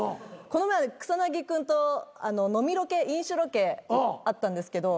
この前草薙君と飲みロケ飲酒ロケあったんですけど。